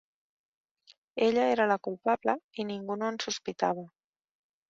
Ella era la culpable, i ningú no en sospitava.